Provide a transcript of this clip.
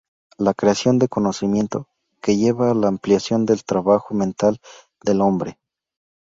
La creación de conocimiento, que lleva a la ampliación del trabajo mental del hombre.